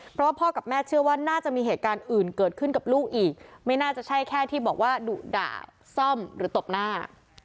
เพราะว่าพ่อกับแม่เชื่อว่าน่าจะมีเหตุการณ์อื่นเกิดขึ้นกับลูกอีกไม่น่าจะใช่แค่ที่บอกว่าดุด่าซ่อมหรือตบหน้า